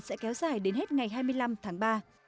sẽ kéo dài đến hết ngày hai mươi năm tháng ba